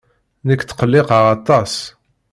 Nekk tqelliqeɣ aṭas.